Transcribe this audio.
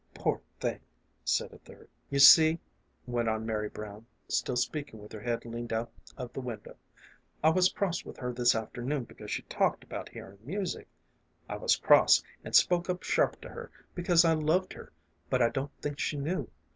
"Poor thing!" said a third. " You see," went on Mary Brown, still speaking with her head leaned out of the window, " I was cross with her this afternoon because she talked about hearin' music. I was cross, an' spoke up sharp to her, because I loved her, but I don't think she knew.